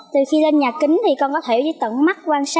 từ khi lên nhà kính thì con có thể với tận mắt quan sát